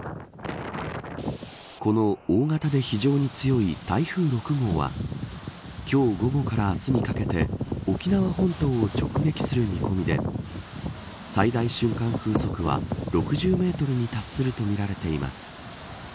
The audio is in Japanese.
この大型で非常に強い台風６号は今日午後から明日にかけて沖縄本島を直撃する見込みで最大瞬間風速は６０メートルに達するとみられています。